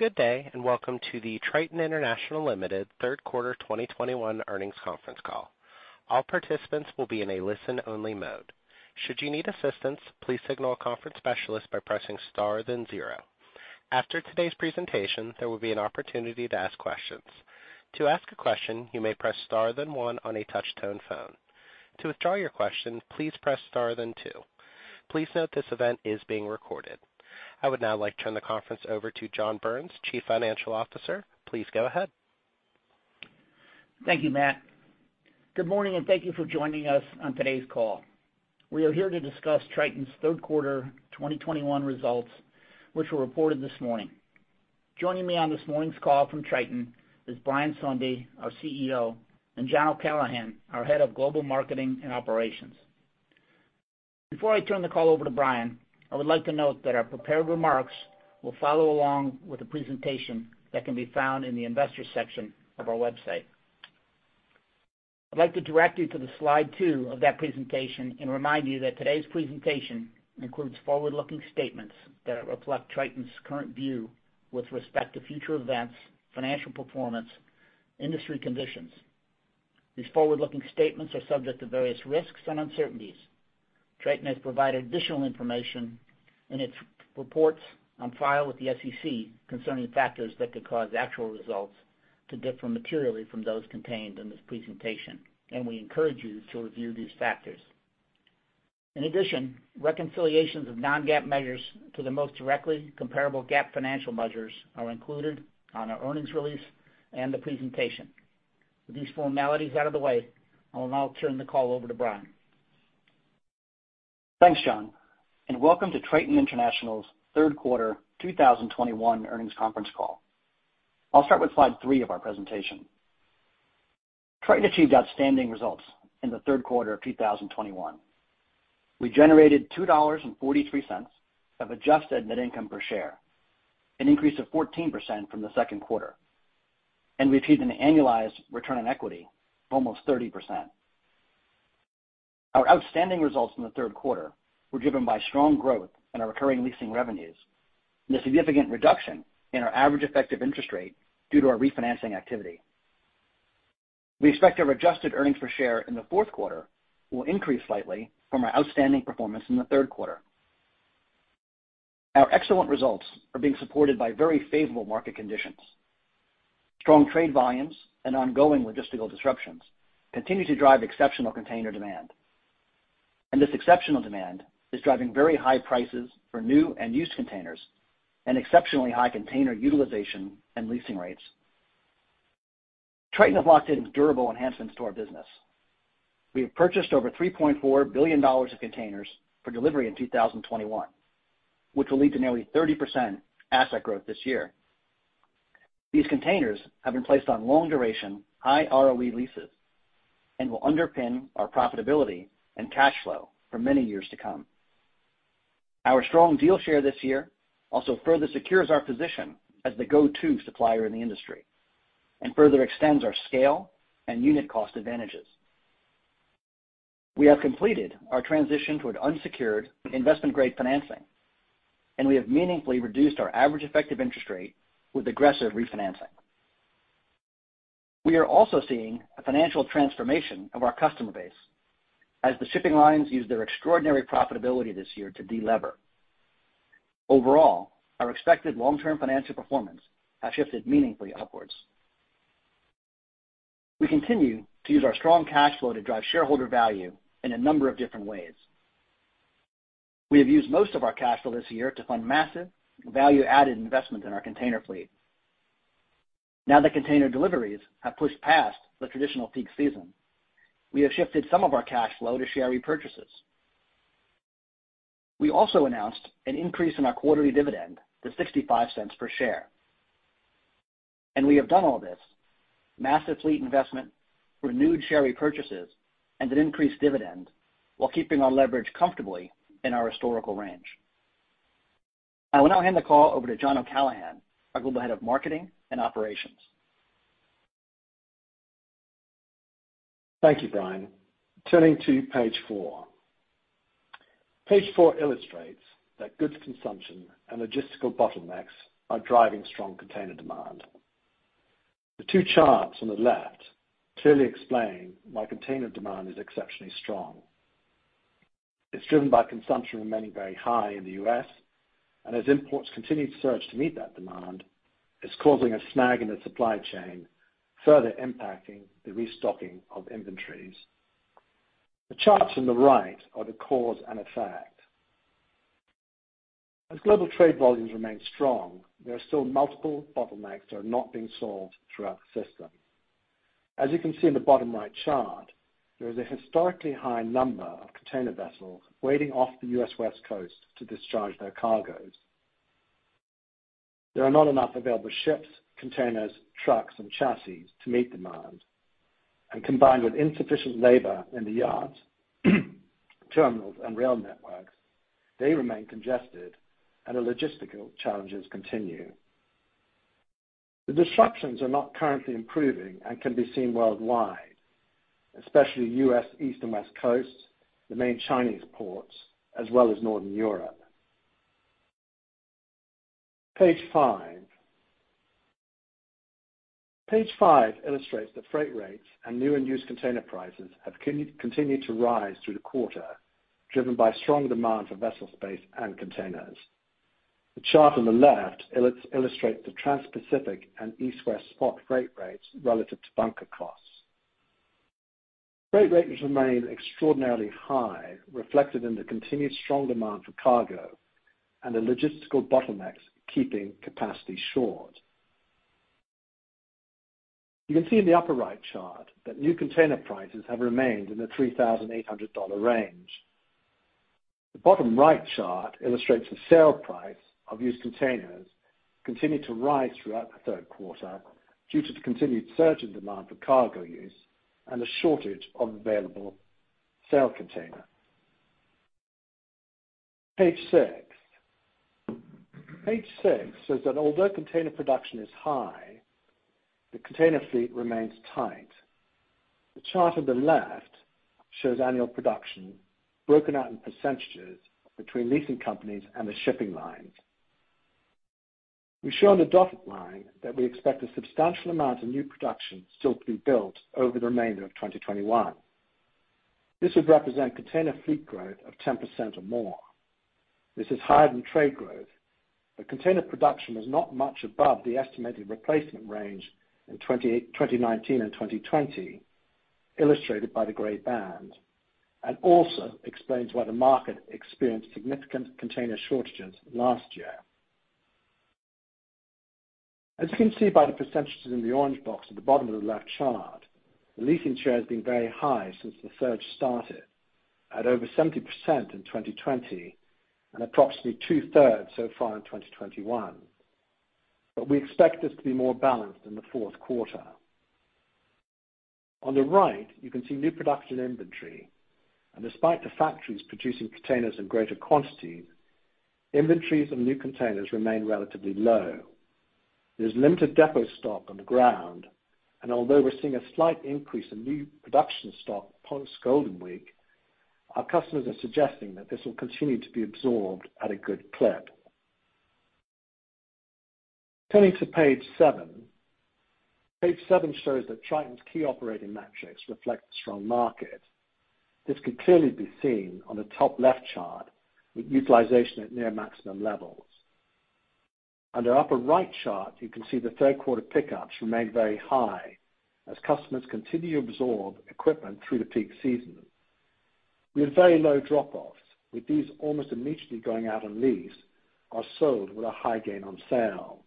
Good day, and welcome to the Triton International Limited third quarter 2021 earnings conference call. All participants will be in a listen-only mode. Should you need assistance, please signal a conference specialist by pressing star then zero. After today's presentation, there will be an opportunity to ask questions. To ask a question, you may press star then one on a touch-tone phone. To withdraw your question, please press star then two. Please note this event is being recorded. I would now like to turn the conference over to John Burns, Chief Financial Officer. Please go ahead. Thank you, Matt. Good morning, and thank you for joining us on today's call. We are here to discuss Triton's Q3 2021 results, which were reported this morning. Joining me on this morning's call from Triton is Brian Sondey, our CEO, and John O'Callaghan, our Head of Global Marketing and Operations. Before I turn the call over to Brian, I would like to note that our prepared remarks will follow along with the presentation that can be found in the investors section of our website. I'd like to direct you to slide two of that presentation and remind you that today's presentation includes forward-looking statements that reflect Triton's current view with respect to future events, financial performance, industry conditions. These forward-looking statements are subject to various risks and uncertainties. Triton has provided additional information in its reports on file with the SEC concerning factors that could cause actual results to differ materially from those contained in this presentation, and we encourage you to review these factors. In addition, reconciliations of non-GAAP measures to the most directly comparable GAAP financial measures are included on our earnings release and the presentation. With these formalities out of the way, I will now turn the call over to Brian. Thanks, John, and welcome to Triton International's third quarter 2021 earnings conference call. I'll start with slide three of our presentation. Triton achieved outstanding results in the third quarter of 2021. We generated $2.43 of adjusted net income per share, an increase of 14% from the second quarter. We achieved an annualized return on equity of almost 30%. Our outstanding results in the third quarter were driven by strong growth in our recurring leasing revenues and a significant reduction in our average effective interest rate due to our refinancing activity. We expect our adjusted earnings per share in the fourth quarter will increase slightly from our outstanding performance in the third quarter. Our excellent results are being supported by very favorable market conditions. Strong trade volumes and ongoing logistical disruptions continue to drive exceptional container demand. This exceptional demand is driving very high prices for new and used containers and exceptionally high container utilization and leasing rates. Triton have locked in durable enhancements to our business. We have purchased over $3.4 billion of containers for delivery in 2021, which will lead to nearly 30% asset growth this year. These containers have been placed on long duration, high ROE leases, and will underpin our profitability and cash flow for many years to come. Our strong deal share this year also further secures our position as the go-to supplier in the industry and further extends our scale and unit cost advantages. We have completed our transition to an unsecured investment grade financing, and we have meaningfully reduced our average effective interest rate with aggressive refinancing. We are also seeing a financial transformation of our customer base as the shipping lines use their extraordinary profitability this year to delever. Overall, our expected long-term financial performance has shifted meaningfully upwards. We continue to use our strong cash flow to drive shareholder value in a number of different ways. We have used most of our cash flow this year to fund massive value-added investment in our container fleet. Now that container deliveries have pushed past the traditional peak season, we have shifted some of our cash flow to share repurchases. We also announced an increase in our quarterly dividend to $0.65 per share, and we have done all this massive fleet investment, renewed share repurchases, and an increased dividend while keeping our leverage comfortably in our historical range. I will now hand the call over to John O'Callaghan, our Global Head of Marketing and Operations. Thank you, Brian. Turning to page four. Page four illustrates that goods consumption and logistical bottlenecks are driving strong container demand. The two charts on the left clearly explain why container demand is exceptionally strong. It's driven by consumption remaining very high in the U.S., and as imports continue to surge to meet that demand, it's causing a snag in the supply chain, further impacting the restocking of inventories. The charts on the right are the cause and effect. As global trade volumes remain strong, there are still multiple bottlenecks that are not being solved throughout the system. As you can see in the bottom right chart, there is a historically high number of container vessels waiting off the U.S. West Coast to discharge their cargoes. There are not enough available ships, containers, trucks, and chassis to meet demand, and combined with insufficient labor in the yards, terminals, and rail networks, they remain congested and the logistical challenges continue. The disruptions are not currently improving and can be seen worldwide, especially U.S. East and West Coasts, the main Chinese ports, as well as Northern Europe. Page five. Page five illustrates the freight rates and new and used container prices have continued to rise through the quarter, driven by strong demand for vessel space and containers. The chart on the left illustrates the Transpacific and East-West spot freight rates relative to bunker costs. Freight rates remain extraordinarily high, reflected in the continued strong demand for cargo and the logistical bottlenecks keeping capacity short. You can see in the upper right chart that new container prices have remained in the $3,800 range. The bottom right chart illustrates the sale price of used containers continued to rise throughout the third quarter due to the continued surge in demand for cargo use and a shortage of available containers for sale. Page six. Page six says that although container production is high, the container fleet remains tight. The chart on the left shows annual production broken out in percentages between leasing companies and the shipping lines. We show on the dotted line that we expect a substantial amount of new production still to be built over the remainder of 2021. This would represent container fleet growth of 10% or more. This is higher than trade growth, but container production is not much above the estimated replacement range in 2019 and 2020, illustrated by the gray band, and also explains why the market experienced significant container shortages last year. As you can see by the percentages in the orange box at the bottom of the left chart, the leasing share has been very high since the surge started, at over 70% in 2020 and approximately two-third so far in 2021. We expect this to be more balanced in the fourth quarter. On the right, you can see new production inventory. Despite the factories producing containers in greater quantity, inventories and new containers remain relatively low. There's limited depot stock on the ground, and although we're seeing a slight increase in new production stock post Golden Week, our customers are suggesting that this will continue to be absorbed at a good clip. Turning to page seven. Page seven shows that Triton's key operating metrics reflect the strong market. This can clearly be seen on the top left chart with utilization at near maximum levels. On the upper right chart, you can see the third quarter pickups remain very high as customers continue to absorb equipment through the peak season. We have very low drop-offs, with these almost immediately going out on lease or sold with a high gain on sale.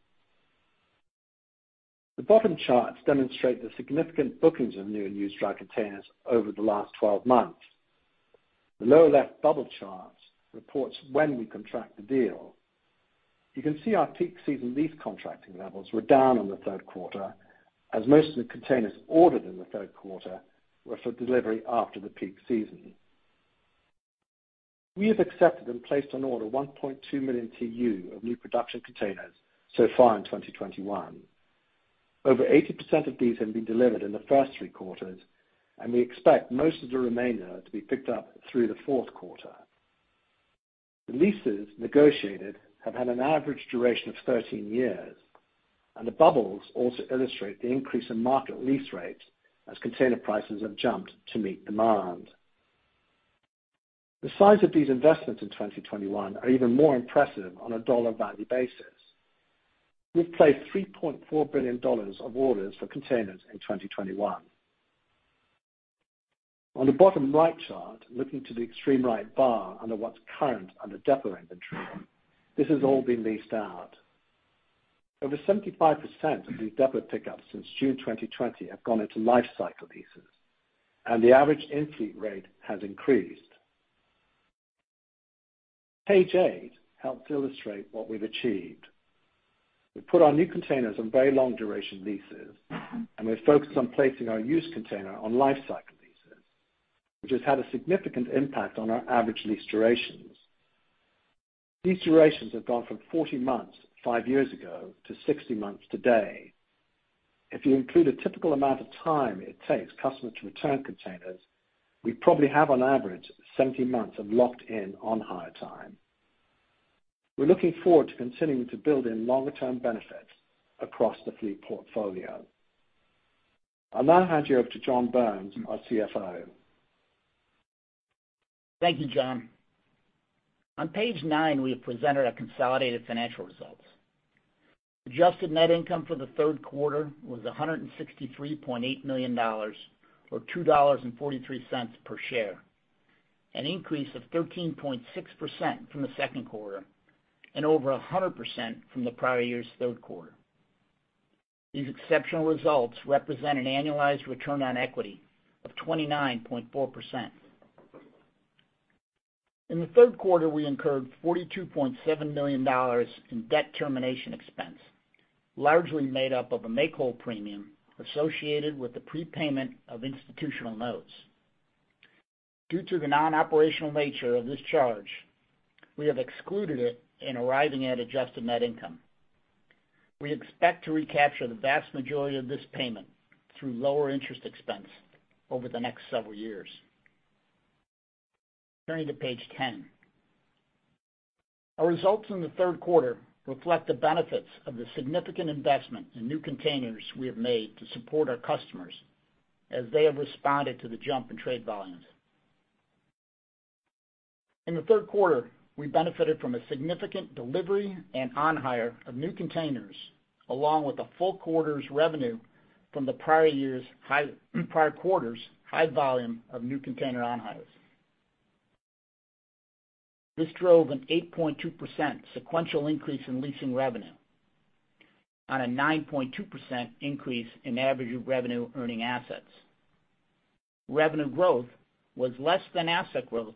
The bottom charts demonstrate the significant bookings of new and used dry containers over the last 12 months. The lower left bubble chart reports when we contract the deal. You can see our peak season lease contracting levels were down in the third quarter, as most of the containers ordered in the third quarter were for delivery after the peak season. We have accepted and placed an order for 1.2 million TEU of new production containers so far in 2021. Over 80% of these have been delivered in the first three quarters, and we expect most of the remainder to be picked up through the fourth quarter. The leases negotiated have had an average duration of 13 years, and the bubbles also illustrate the increase in market lease rates as container prices have jumped to meet demand. The size of these investments in 2021 are even more impressive on a dollar value basis. We've placed $3.4 billion of orders for containers in 2021. On the bottom right chart, looking to the extreme right bar under what's current under depot inventory, this has all been leased out. Over 75% of these depot pickups since June 2020 have gone into life cycle leases, and the average in-fleet rate has increased. Page eight helps illustrate what we've achieved. We've put our new containers on very long duration leases, and we're focused on placing our used container on life cycle leases, which has had a significant impact on our average lease durations. These durations have gone from 40 months five years ago to 60 months today. If you include a typical amount of time it takes customers to return containers, we probably have on average 70 months of locked in on hire time. We're looking forward to continuing to build in longer term benefits across the fleet portfolio. I'll now hand you over to John Burns, our CFO. Thank you, John. On page nine, we have presented our consolidated financial results. Adjusted net income for the third quarter was $163.8 million or $2.43 per share, an increase of 13.6% from the second quarter and over 100% from the prior year's third quarter. These exceptional results represent an annualized return on equity of 29.4%. In the third quarter, we incurred $42.7 million in debt termination expense, largely made up of a make-whole premium associated with the prepayment of institutional notes. Due to the non-operational nature of this charge, we have excluded it in arriving at adjusted net income. We expect to recapture the vast majority of this payment through lower interest expense over the next several years. Turning to page 10. Our results in the third quarter reflect the benefits of the significant investment in new containers we have made to support our customers as they have responded to the jump in trade volumes. In the third quarter, we benefited from a significant delivery and on-hire of new containers, along with a full quarter's revenue from the prior quarter's high volume of new container on-hires. This drove an 8.2% sequential increase in leasing revenue on a 9.2% increase in average revenue earning assets. Revenue growth was less than asset growth,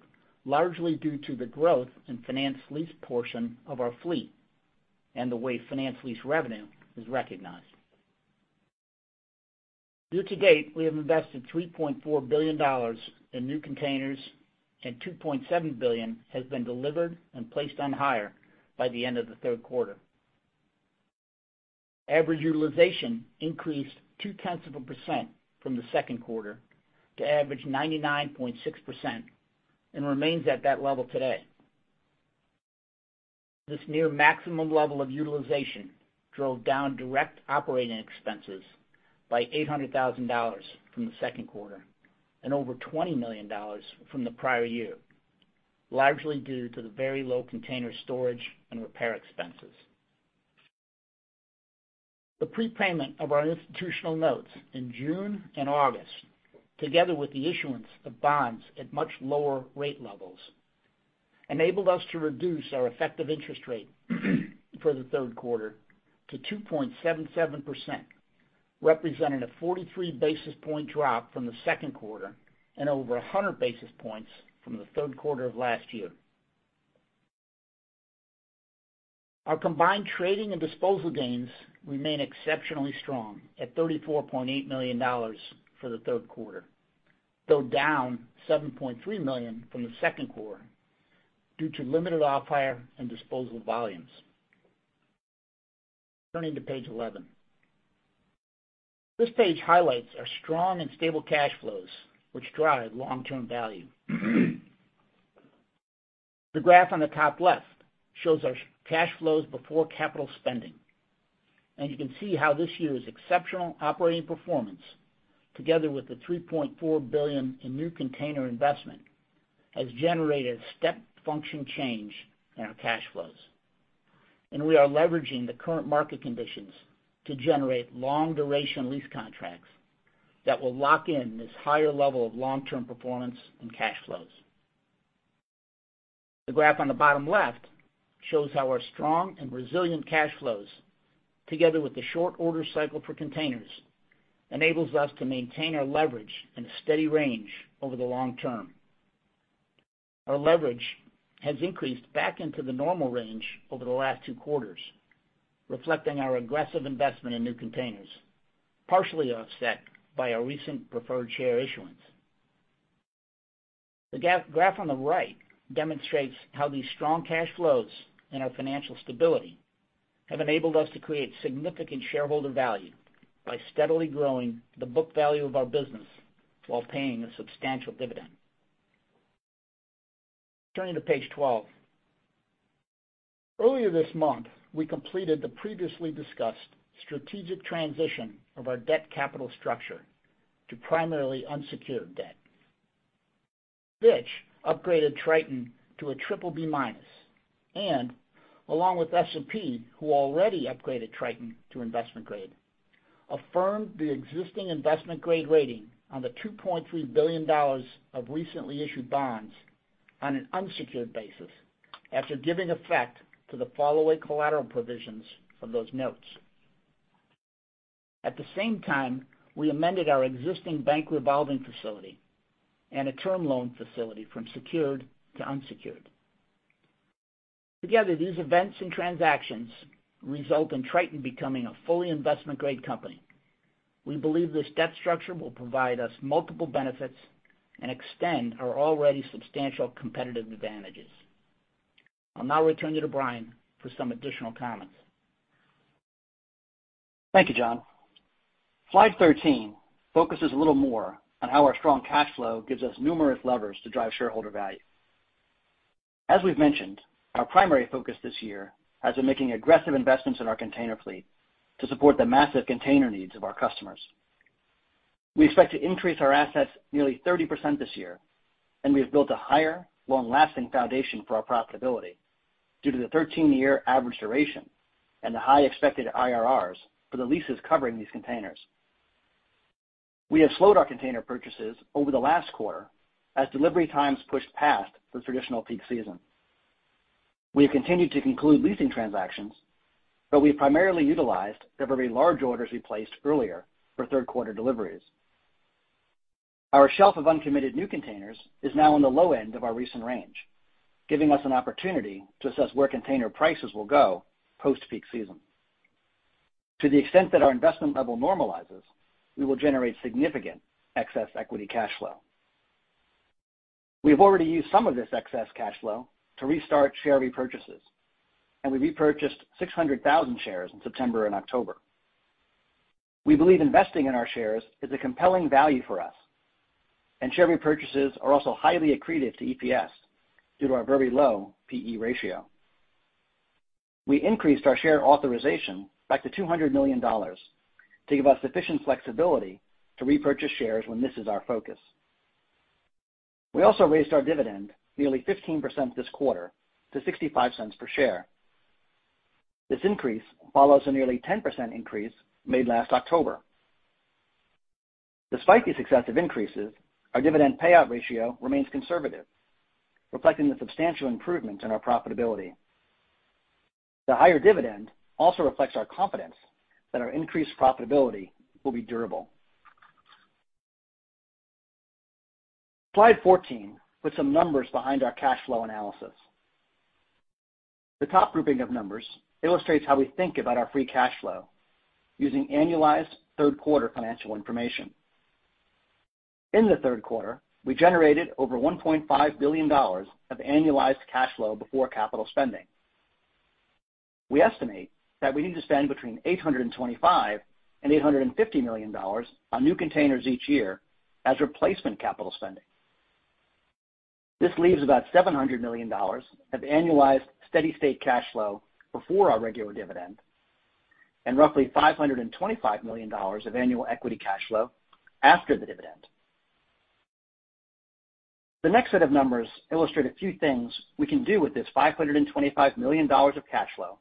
largely due to the growth in finance lease portion of our fleet and the way finance lease revenue is recognized. Year-to-date, we have invested $3.4 billion in new containers, and $2.7 billion has been delivered and placed on hire by the end of the third quarter. Average utilization increased 0.2% from the second quarter to average 99.6% and remains at that level today. This near maximum level of utilization drove down direct operating expenses by $800,000 from the second quarter and over $20 million from the prior year, largely due to the very low container storage and repair expenses. The prepayment of our institutional notes in June and August, together with the issuance of bonds at much lower rate levels, enabled us to reduce our effective interest rate for the third quarter to 2.77%, representing a 43 basis point drop from the second quarter and over 100 basis points from the third quarter of last year. Our combined trading and disposal gains remain exceptionally strong at $34.8 million for the third quarter, though down $7.3 million from the second quarter due to limited off-hire and disposal volumes. Turning to page 11. This page highlights our strong and stable cash flows which drive long-term value. The graph on the top left shows our cash flows before capital spending, and you can see how this year's exceptional operating performance, together with the $3.4 billion in new container investment, has generated step function change in our cash flows. We are leveraging the current market conditions to generate long-duration lease contracts that will lock in this higher level of long-term performance and cash flows. The graph on the bottom left shows how our strong and resilient cash flows, together with the short order cycle for containers, enables us to maintain our leverage in a steady range over the long term. Our leverage has increased back into the normal range over the last two quarters, reflecting our aggressive investment in new containers, partially offset by our recent preferred share issuance. The graph on the right demonstrates how these strong cash flows and our financial stability have enabled us to create significant shareholder value by steadily growing the book value of our business while paying a substantial dividend. Turning to page 12. Earlier this month, we completed the previously discussed strategic transition of our debt capital structure to primarily unsecured debt. Fitch upgraded Triton to BBB- and, along with S&P, who already upgraded Triton to investment grade, affirmed the existing investment grade rating on the $2.3 billion of recently issued bonds on an unsecured basis after giving effect to the fallaway collateral provisions of those notes. At the same time, we amended our existing bank revolving facility and a term loan facility from secured to unsecured. Together, these events and transactions result in Triton becoming a fully investment-grade company. We believe this debt structure will provide us multiple benefits and extend our already substantial competitive advantages. I'll now return you to Brian for some additional comments. Thank you, John. Slide 13 focuses a little more on how our strong cash flow gives us numerous levers to drive shareholder value. As we've mentioned, our primary focus this year has been making aggressive investments in our container fleet to support the massive container needs of our customers. We expect to increase our assets nearly 30% this year, and we have built a higher, long-lasting foundation for our profitability due to the 13-year average duration and the high expected IRRs for the leases covering these containers. We have slowed our container purchases over the last quarter as delivery times pushed past the traditional peak season. We have continued to conclude leasing transactions, but we primarily utilized the very large orders we placed earlier for third quarter deliveries. Our shelf of uncommitted new containers is now on the low end of our recent range, giving us an opportunity to assess where container prices will go post-peak season. To the extent that our investment level normalizes, we will generate significant excess equity cash flow. We have already used some of this excess cash flow to restart share repurchases, and we repurchased 600,000 shares in September and October. We believe investing in our shares is a compelling value for us, and share repurchases are also highly accretive to EPS due to our very low P/E ratio. We increased our share authorization back to $200 million to give us sufficient flexibility to repurchase shares when this is our focus. We also raised our dividend nearly 15% this quarter to $0.65 per share. This increase follows a nearly 10% increase made last October. Despite these successive increases, our dividend payout ratio remains conservative, reflecting the substantial improvements in our profitability. The higher dividend also reflects our confidence that our increased profitability will be durable. Slide 14, with some numbers behind our cash flow analysis. The top grouping of numbers illustrates how we think about our free cash flow using annualized third quarter financial information. In the third quarter, we generated over $1.5 billion of annualized cash flow before capital spending. We estimate that we need to spend between $825 million and $850 million on new containers each year as replacement capital spending. This leaves about $700 million of annualized steady state cash flow before our regular dividend and roughly $525 million of annual equity cash flow after the dividend. The next set of numbers illustrate a few things we can do with this $525 million of cash flow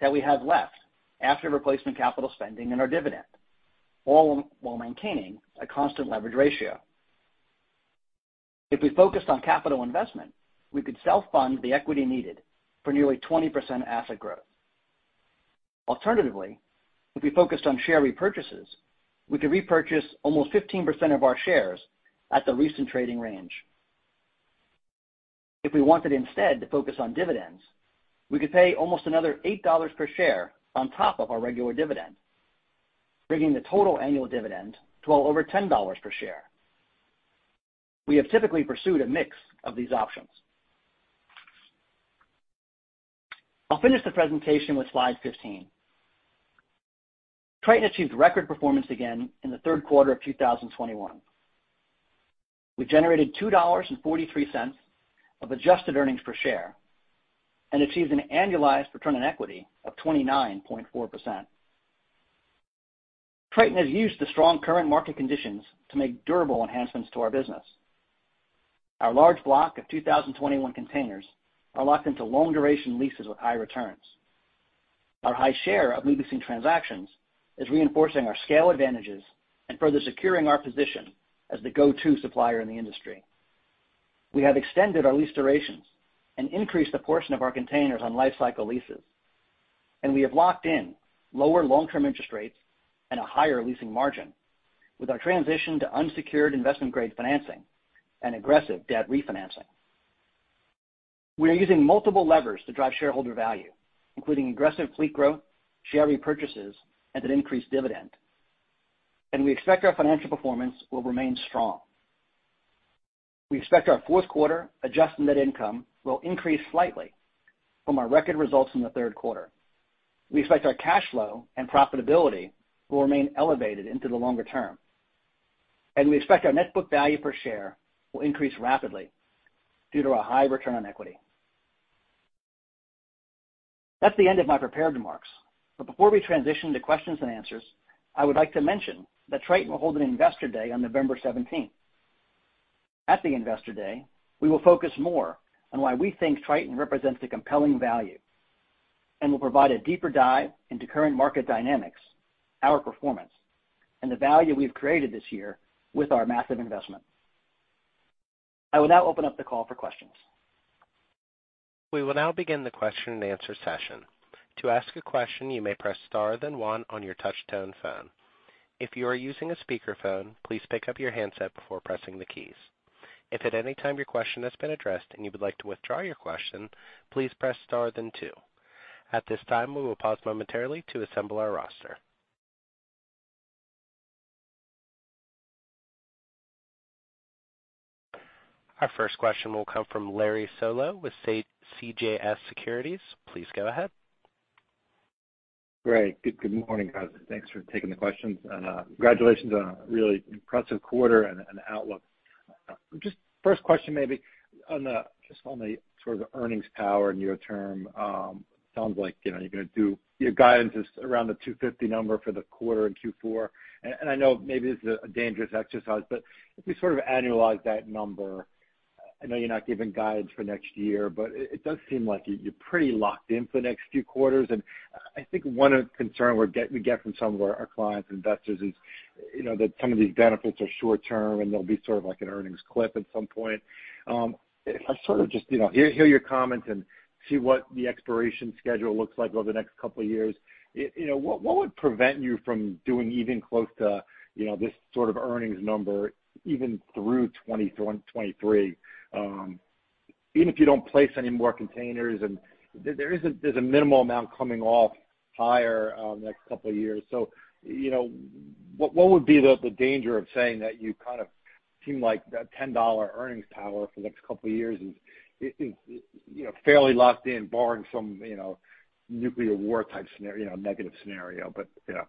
that we have left after replacement capital spending and our dividend, all while maintaining a constant leverage ratio. If we focused on capital investment, we could self-fund the equity needed for nearly 20% asset growth. Alternatively, if we focused on share repurchases, we could repurchase almost 15% of our shares at the recent trading range. If we wanted instead to focus on dividends, we could pay almost another $8 per share on top of our regular dividend, bringing the total annual dividend to well over $10 per share. We have typically pursued a mix of these options. I'll finish the presentation with slide 15. Triton achieved record performance again in the third quarter of 2021. We generated $2.43 of adjusted earnings per share and achieved an annualized return on equity of 29.4%. Triton has used the strong current market conditions to make durable enhancements to our business. Our large block of 2021 containers are locked into long duration leases with high returns. Our high share of leasing transactions is reinforcing our scale advantages and further securing our position as the go-to supplier in the industry. We have extended our lease durations and increased the portion of our containers on life cycle leases, and we have locked in lower long-term interest rates and a higher leasing margin with our transition to unsecured investment-grade financing and aggressive debt refinancing. We are using multiple levers to drive shareholder value, including aggressive fleet growth, share repurchases, and an increased dividend, and we expect our financial performance will remain strong. We expect our fourth quarter adjusted net income will increase slightly from our record results in the third quarter. We expect our cash flow and profitability will remain elevated into the longer term, and we expect our net book value per share will increase rapidly due to our high return on equity. That's the end of my prepared remarks. Before we transition to questions and answers, I would like to mention that Triton will hold an Investor Day on November 17th. At the Investor Day, we will focus more on why we think Triton represents a compelling value and will provide a deeper dive into current market dynamics, our performance, and the value we've created this year with our massive investment. I will now open up the call for questions. We will now begin the question-and-answer session. To ask a question, you may press star then one on your touch-tone phone. If you are using a speakerphone, please pick up your handset before pressing the keys. If at any time your question has been addressed and you would like to withdraw your question, please press star then two. At this time, we will pause momentarily to assemble our roster. Our first question will come from Larry Solow with CJS Securities. Please go ahead. Great. Good morning, guys. Thanks for taking the questions. Congratulations on a really impressive quarter and outlook. Just first question maybe on the sort of earnings power near term. Sounds like, you know, you're gonna do your guidance is around the $250 number for the quarter in Q4. I know maybe this is a dangerous exercise, but if we sort of annualize that number, I know you're not giving guidance for next year, but it does seem like you're pretty locked in for the next few quarters. I think one of the concern we get from some of our clients, investors is, you know, that some of these benefits are short term, and they'll be sort of like an earnings clip at some point. If I sort of just, you know, hear your comments and see what the expiration schedule looks like over the next couple of years, you know, what would prevent you from doing even close to, you know, this sort of earnings number even through 2021, 2023, even if you don't place any more containers and there's a minimal amount coming off-hire, the next couple of years. So, you know, what would be the danger of saying that you kind of seem like that $10 earnings power for the next couple of years is, you know, fairly locked in barring some, you know, nuclear war type scenario, you know, negative scenario, but, you know.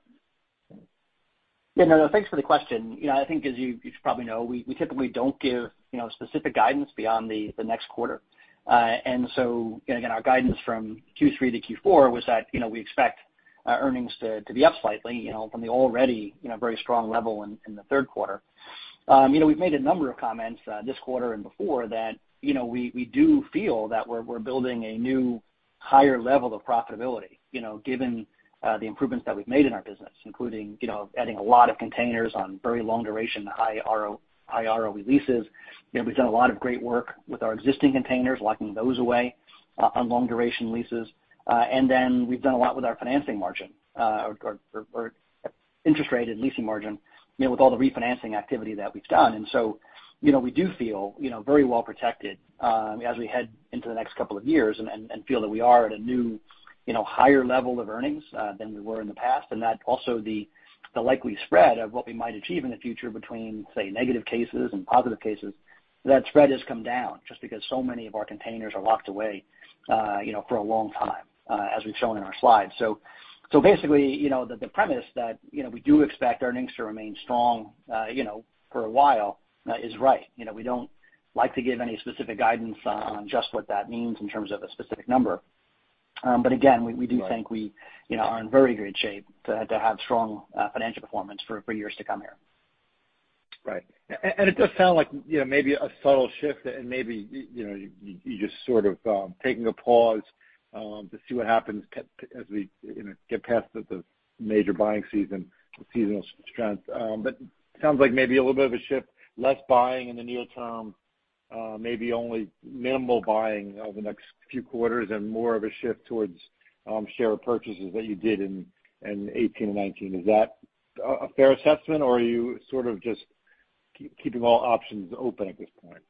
Yeah, no. Thanks for the question. You know, I think as you probably know, we typically don't give, you know, specific guidance beyond the next quarter. You know, again, our guidance from Q3 to Q4 was that, you know, we expect earnings to be up slightly, you know, from the already, you know, very strong level in the third quarter. You know, we've made a number of comments this quarter and before that, you know, we do feel that we're building a new higher level of profitability. You know, given the improvements that we've made in our business, including, you know, adding a lot of containers on very long duration, high ROE leases. You know, we've done a lot of great work with our existing containers, locking those away on long duration leases. We've done a lot with our financing margin, or interest rate and leasing margin, you know, with all the refinancing activity that we've done. You know, we do feel, you know, very well protected, as we head into the next couple of years and feel that we are at a new, you know, higher level of earnings, than we were in the past. That also the likely spread of what we might achieve in the future between, say, negative cases and positive cases, that spread has come down just because so many of our containers are locked away, you know, for a long time, as we've shown in our slides. Basically, you know, the premise that, you know, we do expect earnings to remain strong, you know, for a while, is right. You know, we don't like to give any specific guidance on just what that means in terms of a specific number. Again, we do think we, you know, are in very good shape to have strong, financial performance for years to come here. Right. It does sound like, you know, maybe a subtle shift and maybe, you know, you're just sort of taking a pause to see what happens as we, you know, get past the major buying season, the seasonal strength. Sounds like maybe a little bit of a shift, less buying in the near term, maybe only minimal buying over the next few quarters and more of a shift towards share purchases that you did in 2018 and 2019. Is that a fair assessment or are you sort of just keeping all options open at this point?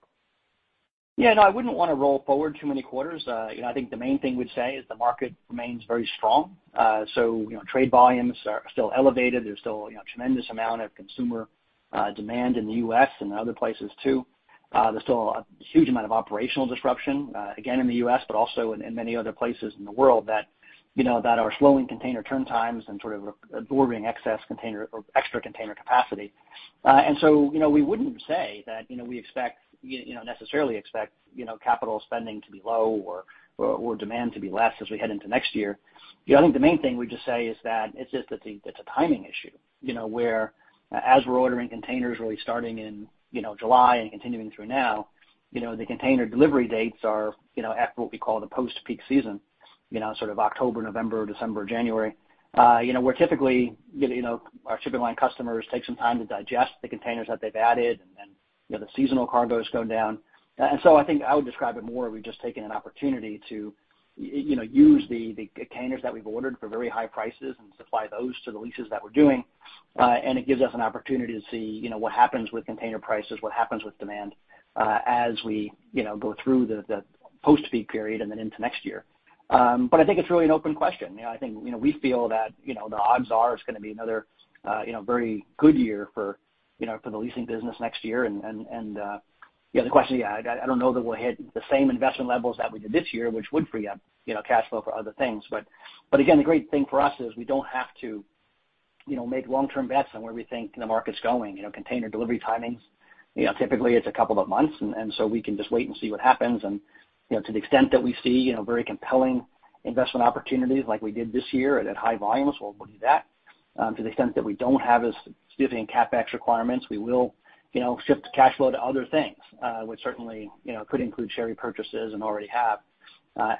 Yeah, no, I wouldn't want to roll forward too many quarters. You know, I think the main thing we'd say is the market remains very strong. You know, trade volumes are still elevated. There's still you know a tremendous amount of consumer demand in the U.S. and other places too. There's still a huge amount of operational disruption again in the U.S. but also in many other places in the world that you know that are slowing container turn times and sort of absorbing excess container or extra container capacity. You know, we wouldn't say that you know we expect you know necessarily expect you know capital spending to be low or demand to be less as we head into next year. You know, I think the main thing we just say is that it's just that it's a timing issue, you know, whereas we're ordering containers really starting in, you know, July and continuing through now, you know, the container delivery dates are, you know, after what we call the post-peak season. You know, sort of October, November, December, January. You know, we're typically, you know, our shipping line customers take some time to digest the containers that they've added, and then, you know, the seasonal cargos go down. I think I would describe it more, we've just taken an opportunity to, you know, use the containers that we've ordered for very high prices and supply those to the leases that we're doing. It gives us an opportunity to see, you know, what happens with container prices, what happens with demand, as we, you know, go through the post-peak period and then into next year. I think it's really an open question. You know, I think, you know, we feel that, you know, the odds are it's gonna be another, you know, very good year for, you know, for the leasing business next year. The question, I don't know that we'll hit the same investment levels that we did this year, which would free up, you know, cash flow for other things. Again, the great thing for us is we don't have to, you know, make long-term bets on where we think the market's going. You know, container delivery timings, you know, typically it's a couple of months, and so we can just wait and see what happens. You know, to the extent that we see, you know, very compelling investment opportunities like we did this year at high volumes, we'll do that. To the extent that we don't have as significant CapEx requirements, we will, you know, shift cash flow to other things, which certainly, you know, could include share repurchases and already have,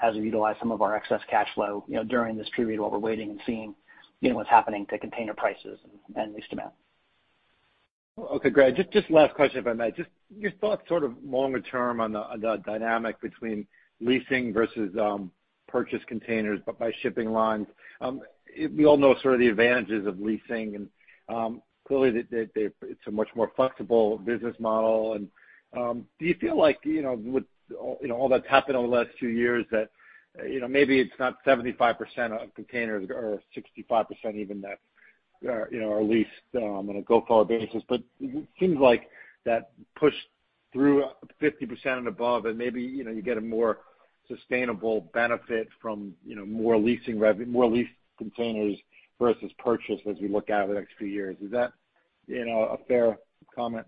as we utilize some of our excess cash flow, you know, during this period while we're waiting and seeing, you know, what's happening to container prices and lease demand. Okay, great. Just last question, if I may. Just your thoughts sort of longer term on the dynamic between leasing versus purchase containers by shipping lines. We all know sort of the advantages of leasing, and clearly it's a much more flexible business model. Do you feel like, you know, with all that's happened over the last few years that, you know, maybe it's not 75% of containers or 65% even that are, you know, are leased on a go-forward basis. It seems like that push through 50% and above and maybe, you know, you get a more sustainable benefit from, you know, more leased containers versus purchase as we look out over the next few years. Is that, you know, a fair comment?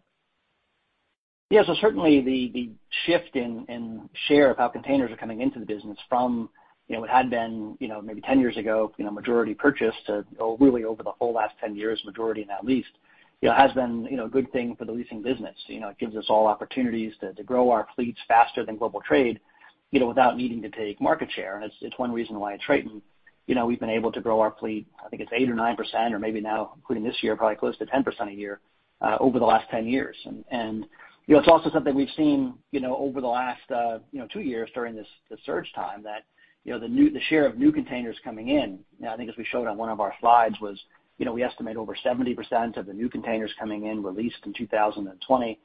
Yeah, certainly the shift in share of how containers are coming into the business from, you know, what had been, you know, maybe 10 years ago, you know, majority purchased to really over the whole last 10 years, majority now leased, you know, has been, you know, a good thing for the leasing business. You know, it gives us all opportunities to grow our fleets faster than global trade, you know, without needing to take market share. It's one reason why at Triton, you know, we've been able to grow our fleet. I think it's 8% or 9% or maybe now including this year, probably close to 10% a year, over the last 10 years. You know, it's also something we've seen, you know, over the last two years during this, the surge time that, you know, the share of new containers coming in, I think as we showed on one of our slides, was, you know, we estimate over 70% of the new containers coming in were leased in 2020,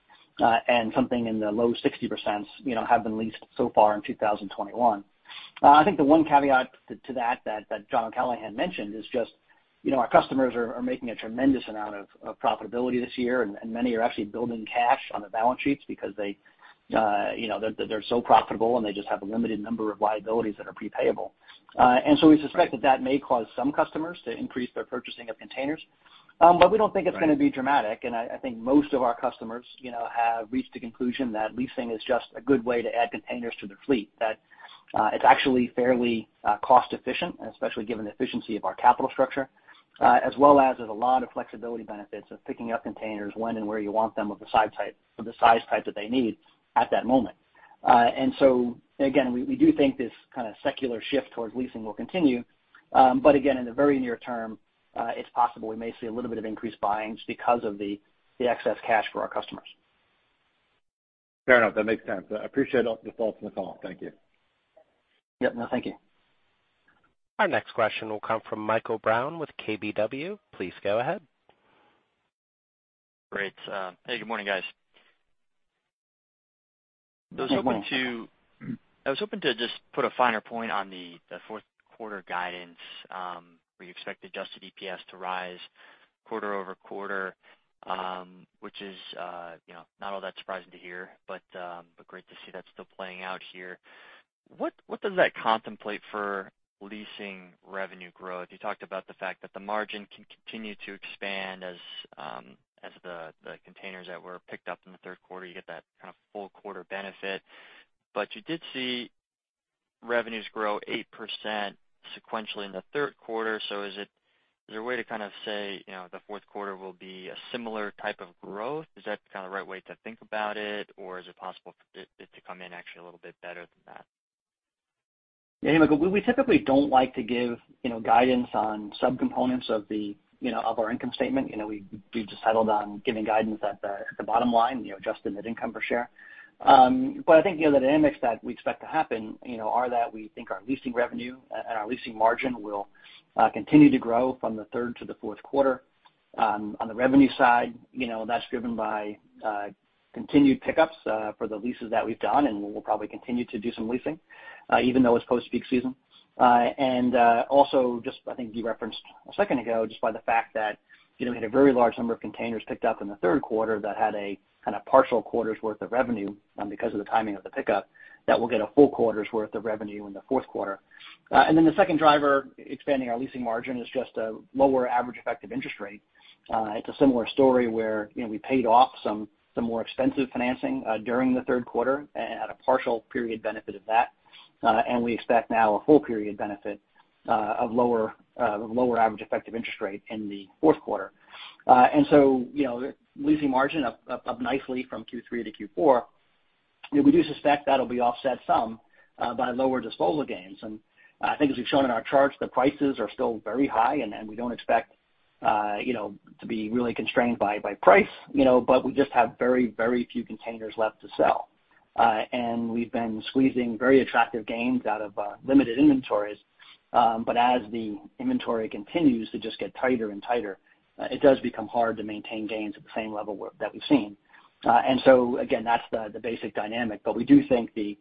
and something in the low 60%s, you know, have been leased so far in 2021. I think the one caveat to that that John O'Callaghan mentioned is just, you know, our customers are making a tremendous amount of profitability this year, and many are actually building cash on their balance sheets because they, you know, they're so profitable, and they just have a limited number of liabilities that are pre-payable. We suspect that may cause some customers to increase their purchasing of containers. We don't think it's gonna be dramatic, and I think most of our customers, you know, have reached the conclusion that leasing is just a good way to add containers to their fleet, that it's actually fairly cost efficient, and especially given the efficiency of our capital structure, as well as there's a lot of flexibility benefits of picking up containers when and where you want them with the size type that they need at that moment. Again, we do think this kind of secular shift towards leasing will continue. Again, in the very near term, it's possible we may see a little bit of increased buying because of the excess cash for our customers. Fair enough. That makes sense. I appreciate all the thoughts on the call. Thank you. Yep. No, thank you. Our next question will come from Michael Brown with KBW. Please go ahead. Great. Hey, good morning, guys. Good morning. I was hoping to just put a finer point on the fourth quarter guidance, where you expect adjusted EPS to rise quarter-over-quarter, which is, you know, not all that surprising to hear, but great to see that still playing out here. What does that contemplate for leasing revenue growth? You talked about the fact that the margin can continue to expand as the containers that were picked up in the third quarter, you get that kind of full quarter benefit. You did see revenues grow 8% sequentially in the third quarter. Is there a way to kind of say, you know, the fourth quarter will be a similar type of growth? Is that kind of the right way to think about it, or is it possible for it to come in actually a little bit better than that? Yeah, Michael, we typically don't like to give, you know, guidance on subcomponents of the, you know, of our income statement. You know, we just settled on giving guidance at the bottom line, you know, adjusted net income per share. I think, you know, the dynamics that we expect to happen, you know, are that we think our leasing revenue and our leasing margin will continue to grow from the third to the fourth quarter. On the revenue side, you know, that's driven by continued pickups for the leases that we've done, and we'll probably continue to do some leasing even though it's post peak season. I think you referenced a second ago, just by the fact that, you know, we had a very large number of containers picked up in the third quarter that had a kind of partial quarter's worth of revenue, because of the timing of the pickup, that we'll get a full quarter's worth of revenue in the fourth quarter. The second driver expanding our leasing margin is just a lower average effective interest rate. It's a similar story where, you know, we paid off some more expensive financing during the third quarter at a partial period benefit of that. We expect now a full period benefit of lower average effective interest rate in the fourth quarter. You know, leasing margin up nicely from Q3 to Q4, you know, we do suspect that'll be offset some by lower disposal gains. I think as we've shown in our charts, the prices are still very high, and we don't expect, you know, to be really constrained by price, you know, but we just have very few containers left to sell. We've been squeezing very attractive gains out of limited inventories. But as the inventory continues to just get tighter and tighter, it does become hard to maintain gains at the same level we've seen. Again, that's the basic dynamic. We do think the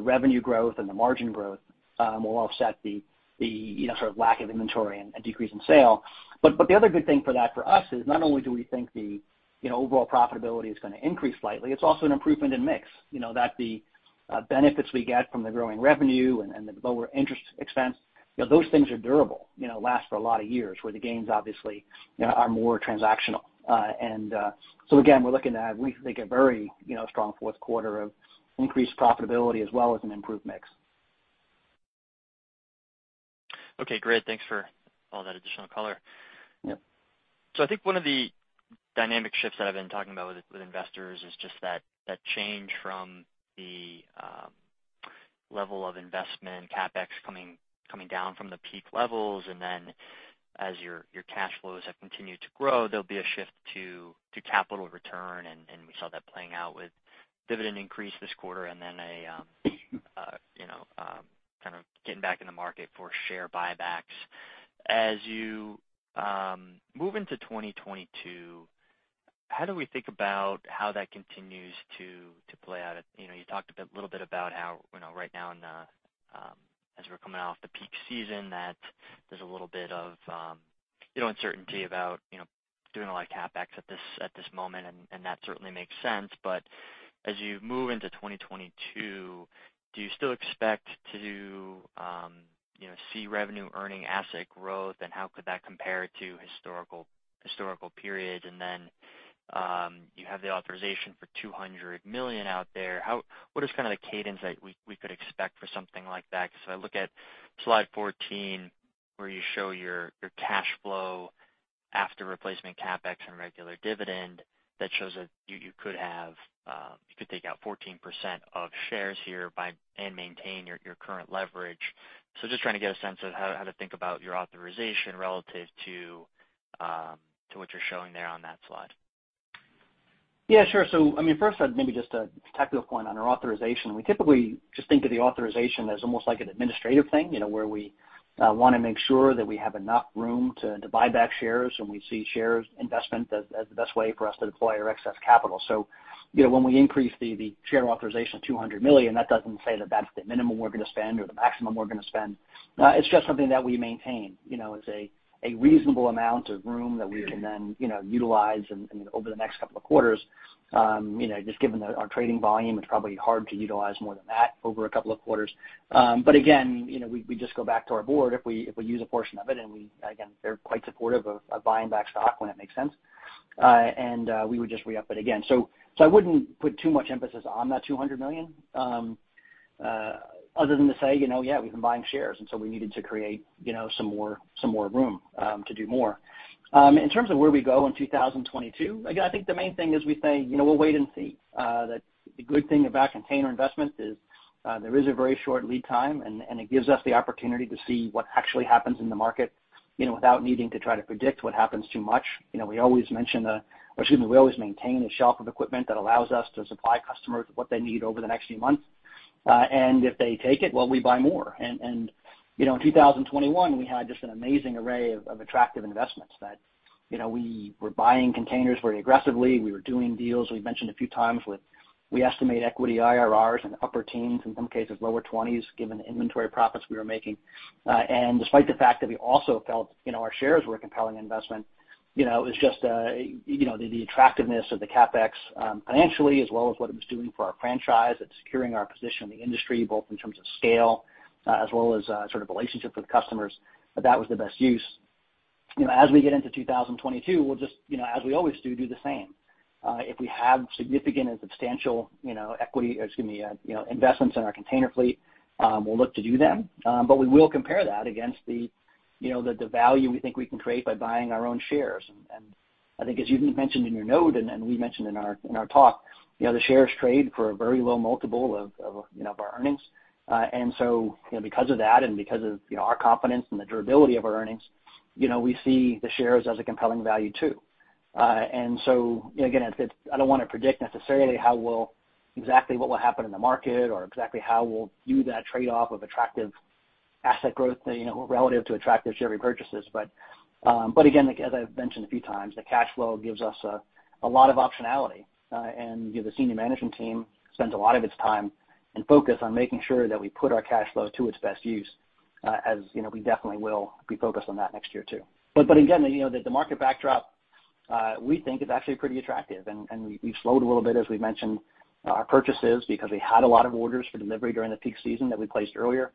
revenue growth and the margin growth will offset the, you know, sort of lack of inventory and decrease in sale. The other good thing for that for us is not only do we think the, you know, overall profitability is gonna increase slightly, it's also an improvement in mix, you know, that the benefits we get from the growing revenue and the lower interest expense, you know, those things are durable, you know, last for a lot of years, where the gains obviously, you know, are more transactional. Again, we're looking to have we think a very, you know, strong fourth quarter of increased profitability as well as an improved mix. Okay, great. Thanks for all that additional color. Yep. I think one of the dynamic shifts that I've been talking about with investors is just that change from the level of investment CapEx coming down from the peak levels. Then as your cash flows have continued to grow, there'll be a shift to capital return, and we saw that playing out with dividend increase this quarter and then a you know kind of getting back in the market for share buybacks. As you move into 2022, how do we think about how that continues to play out? You know, you talked a bit, little bit about how, you know, right now in the, as we're coming off the peak season, that there's a little bit of, you know, uncertainty about, you know, doing a lot of CapEx at this moment, and that certainly makes sense. As you move into 2022, do you still expect to, you know, see revenue earning asset growth, and how could that compare to historical periods? Then, you have the authorization for $200 million out there. How, what is kind of the cadence that we could expect for something like that? 'Cause if I look at slide 14, where you show your cash flow after replacement CapEx and regular dividend, that shows that you could take out 14% of shares hereby and maintain your current leverage. Just trying to get a sense of how to think about your authorization relative to what you're showing there on that slide. Yeah, sure. I mean, first, maybe just a technical point on our authorization. We typically just think of the authorization as almost like an administrative thing, you know, where we want to make sure that we have enough room to buy back shares, and we see shares investment as the best way for us to deploy our excess capital. You know, when we increase the share authorization of $200 million, that doesn't say that that's the minimum we're gonna spend or the maximum we're gonna spend. It's just something that we maintain, you know, as a reasonable amount of room that we can then, you know, utilize. I mean, over the next couple of quarters, you know, just given our trading volume, it's probably hard to utilize more than that over a couple of quarters. You know, we just go back to our board if we use a portion of it, and again, they're quite supportive of buying back stock when it makes sense. We would just re-up it again. I wouldn't put too much emphasis on that $200 million other than to say, you know, yeah, we've been buying shares, and so we needed to create, you know, some more room to do more. In terms of where we go in 2022, again, I think the main thing is we say, you know, we'll wait and see. That's the good thing about container investment is that there is a very short lead time, and it gives us the opportunity to see what actually happens in the market, you know, without needing to try to predict what happens too much. You know, we always maintain a shelf of equipment that allows us to supply customers what they need over the next few months. And if they take it, well, we buy more. And you know, in 2021, we had just an amazing array of attractive investments that, you know, we were buying containers very aggressively. We were doing deals, we've mentioned a few times, with we estimate equity IRRs in the upper teens, in some cases lower twenties, given the inventory profits we were making. Despite the fact that we also felt, you know, our shares were a compelling investment, you know, it was just, you know, the attractiveness of the CapEx, financially, as well as what it was doing for our franchise. It's securing our position in the industry, both in terms of scale, as well as, sort of relationship with customers, that was the best use. You know, as we get into 2022, we'll just, you know, as we always do the same. If we have significant and substantial, you know, equity, or excuse me, you know, investments in our container fleet, we'll look to do them. We will compare that against the, you know, the value we think we can create by buying our own shares. I think as you've mentioned in your note and we mentioned in our talk, you know, the shares trade for a very low multiple of you know, of our earnings. You know, because of that and because of, you know, our confidence in the durability of our earnings, you know, we see the shares as a compelling value too. You know, again, it's I don't wanna predict necessarily how we'll exactly what will happen in the market or exactly how we'll view that trade-off of attractive asset growth, you know, relative to attractive share repurchases. But again, like as I've mentioned a few times, the cash flow gives us a lot of optionality. You know, the senior management team spends a lot of its time and focus on making sure that we put our cash flow to its best use, as you know, we definitely will be focused on that next year too. But again, you know, the market backdrop we think is actually pretty attractive. And we slowed a little bit, as we've mentioned, our purchases because we had a lot of orders for delivery during the peak season that we placed earlier.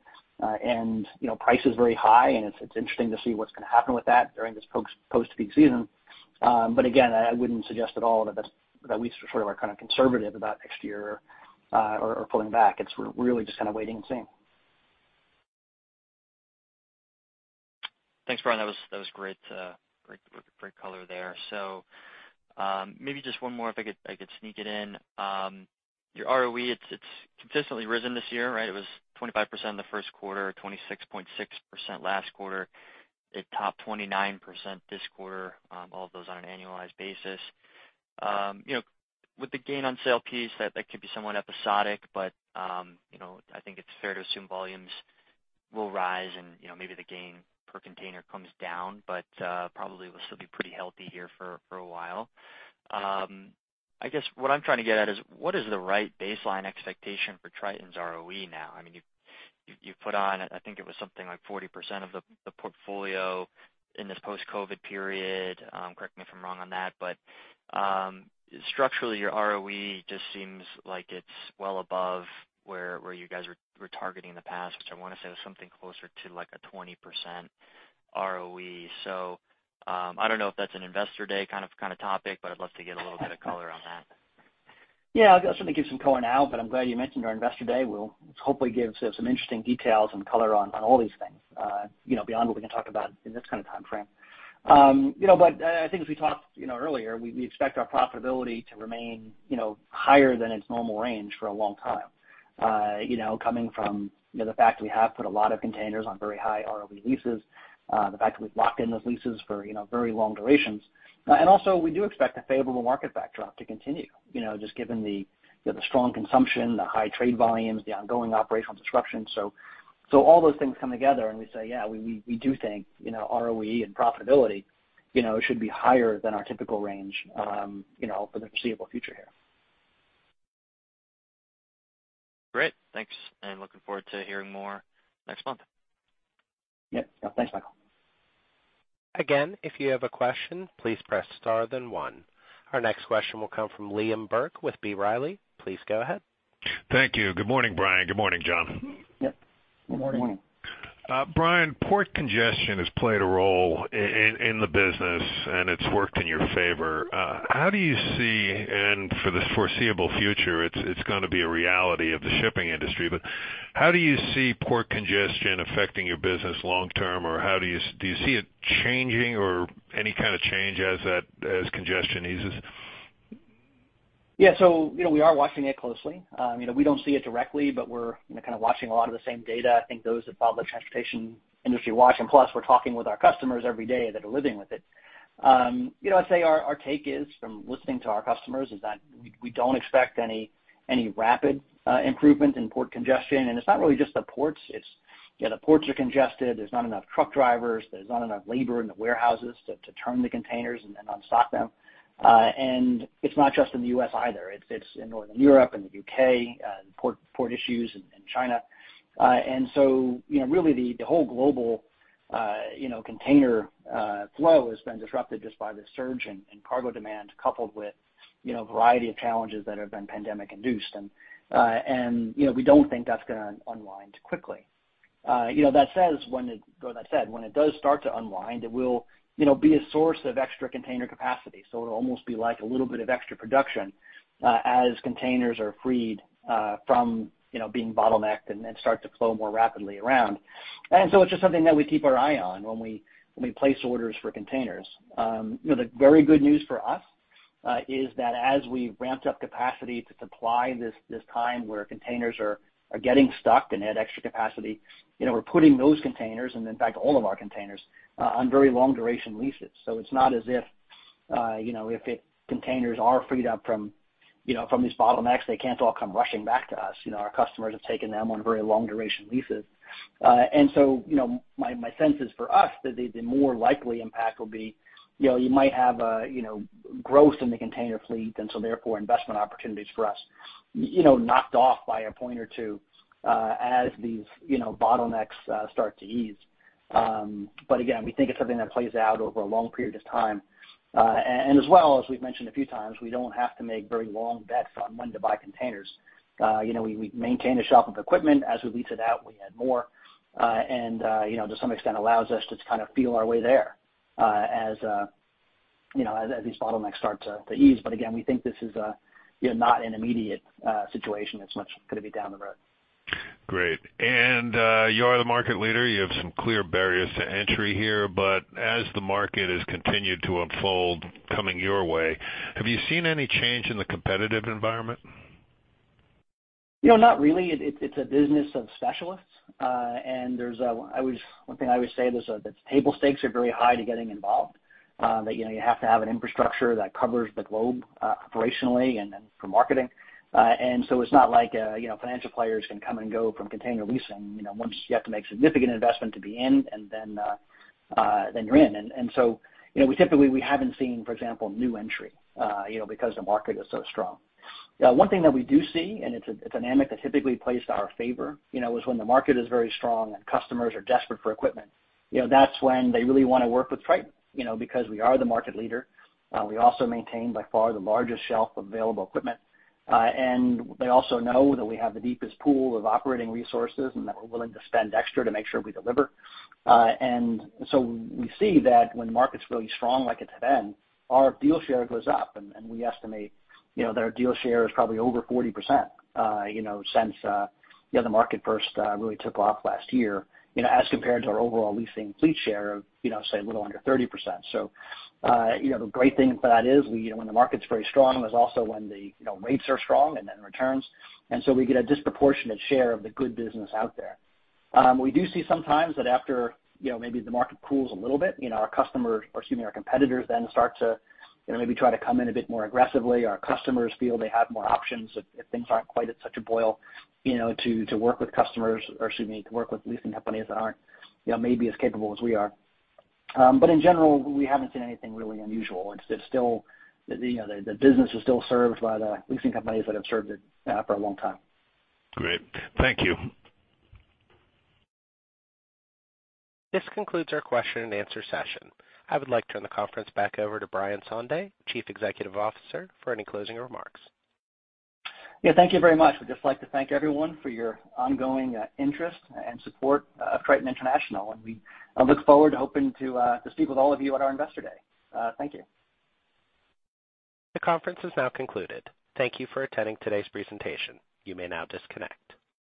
You know, price is very high, and it's interesting to see what's gonna happen with that during this post-peak season. But again, I wouldn't suggest at all that that we sort of are kind of conservative about next year, or pulling back. We're really just kind of waiting and seeing. Thanks, Brian. That was great color there. Maybe just one more if I could sneak it in. Your ROE, it's consistently risen this year, right? It was 25% in the first quarter, 26.6% last quarter. It topped 29% this quarter, all of those on an annualized basis. You know, with the gain on sale piece, that could be somewhat episodic, but, you know, I think it's fair to assume volumes will rise and, you know, maybe the gain per container comes down, but, probably will still be pretty healthy here for a while. I guess what I'm trying to get at is what is the right baseline expectation for Triton's ROE now? I mean, you've put on, I think it was something like 40% of the portfolio in this post-COVID period. Correct me if I'm wrong on that. Structurally, your ROE just seems like it's well above where you guys were targeting in the past, which I wanna say was something closer to like a 20% ROE. I don't know if that's an investor day kind of topic, but I'd love to get a little bit of color on that. Yeah. I'll certainly give some color now, but I'm glad you mentioned our investor day. We'll hopefully give some interesting details and color on all these things, you know, beyond what we can talk about in this kind of timeframe. You know, I think as we talked, you know, earlier, we expect our profitability to remain, you know, higher than its normal range for a long time, you know, coming from the fact that we have put a lot of containers on very high ROE leases, the fact that we've locked in those leases for, you know, very long durations. Also, we do expect a favorable market backdrop to continue, you know, just given the strong consumption, the high trade volumes, the ongoing operational disruption. All those things come together and we say, yeah, we do think, you know, ROE and profitability, you know, should be higher than our typical range, you know, for the foreseeable future here. Great. Thanks, and looking forward to hearing more next month. Yeah. Thanks, Michael. Again, if you have a question, please press star then one. Our next question will come from Liam Burke with B. Riley. Please go ahead. Thank you. Good morning, Brian. Good morning, John. Yep. Good morning. Morning. Brian, port congestion has played a role in the business, and it's worked in your favor. How do you see, and for the foreseeable future it's gonna be a reality of the shipping industry, but how do you see port congestion affecting your business long term or do you see it changing or any kind of change as congestion eases? Yeah. You know, we are watching it closely. You know, we don't see it directly, but we're, you know, kind of watching a lot of the same data. I think those that follow the transportation industry watch, and plus we're talking with our customers every day that are living with it. You know, I'd say our take from listening to our customers is that we don't expect any rapid improvement in port congestion. It's not really just the ports. You know, the ports are congested. There's not enough truck drivers. There's not enough labor in the warehouses to turn the containers and then unstuff them. It's not just in the U.S. either. It's in Northern Europe and the U.K., port issues in China. You know, really the whole global container flow has been disrupted just by the surge in cargo demand coupled with you know, a variety of challenges that have been pandemic induced. You know, we don't think that's gonna unwind quickly. You know, that said, when it does start to unwind, it will, you know, be a source of extra container capacity. It'll almost be like a little bit of extra production, as containers are freed from, you know, being bottlenecked and then start to flow more rapidly around. It's just something that we keep our eye on when we place orders for containers. You know, the very good news for us is that as we ramped up capacity to supply this time where containers are getting stuck and add extra capacity, you know, we're putting those containers, and in fact, all of our containers, on very long duration leases. It's not as if, you know, if containers are freed up from, you know, from these bottlenecks, they can't all come rushing back to us. You know, our customers have taken them on very long duration leases. You know, my sense is for us that the more likely impact will be, you know, you might have a growth in the container fleet, and so therefore investment opportunities for us, you know, knocked off by a point or two, as these bottlenecks start to ease. Again, we think it's something that plays out over a long period of time. As well, as we've mentioned a few times, we don't have to make very long bets on when to buy containers. You know, we maintain a shelf of equipment. As we lease it out, we add more, and you know, to some extent allows us to kind of feel our way there, as you know, as these bottlenecks start to ease. Again, we think this is you know, not an immediate situation. It's much gonna be down the road. Great. You are the market leader. You have some clear barriers to entry here, but as the market has continued to unfold coming your way, have you seen any change in the competitive environment? You know, not really. It's a business of specialists. One thing I always say is that the table stakes are very high to getting involved, you know, you have to have an infrastructure that covers the globe, operationally and then for marketing. It's not like, you know, financial players can come and go from container leasing, you know, once you have to make significant investment to be in and then you're in. We typically haven't seen, for example, new entry, you know, because the market is so strong. One thing that we do see, and it's a dynamic that's typically placed in our favor, you know, is when the market is very strong and customers are desperate for equipment, you know, that's when they really wanna work with Triton, you know, because we are the market leader. We also maintain by far the largest shelf of available equipment. They also know that we have the deepest pool of operating resources and that we're willing to spend extra to make sure we deliver. We see that when the market's really strong like it's been, our deal share goes up, and we estimate, you know, that our deal share is probably over 40%, you know, since, you know, the market first really took off last year, you know, as compared to our overall leasing fleet share of, you know, say a little under 30%. You know, the great thing for that is we, you know, when the market's very strong is also when the, you know, rates are strong and then returns. We get a disproportionate share of the good business out there. We do see sometimes that after, you know, maybe the market cools a little bit, you know, our customers or excuse me, our competitors then start to, you know, maybe try to come in a bit more aggressively. Our customers feel they have more options if things aren't quite at such a boil, you know, to work with customers or excuse me, to work with leasing companies that aren't, you know, maybe as capable as we are. In general, we haven't seen anything really unusual. It's still, you know, the business is still served by the leasing companies that have served it for a long time. Great. Thank you. This concludes our question and answer session. I would like to turn the conference back over to Brian Sondey, Chief Executive Officer, for any closing remarks. Yeah. Thank you very much. We'd just like to thank everyone for your ongoing interest and support of Triton International. We look forward to hoping to speak with all of you at our investor day. Thank you. The conference is now concluded. Thank you for attending today's presentation. You may now disconnect.